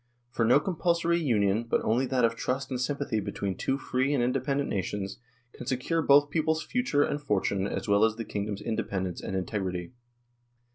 For no compulsory union but only that of trust and sympathy between two free and independent nations can secure both peoples' future and fortune as well as the kingdoms' independence and integrity."